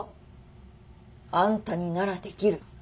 あんたにならできる。